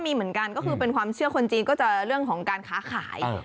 มีเหมือนกันก็คือเป็นความเชื่อคนจีนก็จะเรื่องของการค้าขาย